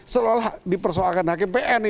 setelah dipersoalkan hakim pn